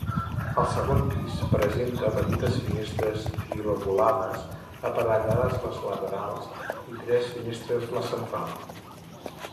El segon pis presenta petites finestres trilobulades aparellades les laterals i tres finestres la central.